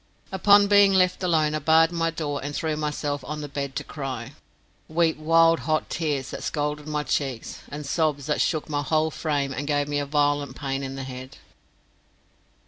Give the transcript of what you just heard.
Upon being left alone I barred my door and threw myself on the bed to cry weep wild hot tears that scalded my cheeks, and sobs that shook my whole frame and gave me a violent pain in the head.